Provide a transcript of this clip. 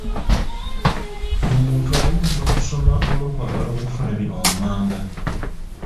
Omuntu ayinza okusoma olw'okwagala okufuna bino wammanga.